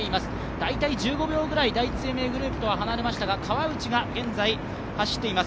大体１５秒ぐらい、第一生命グループとは離れましたが川内が現在走っています。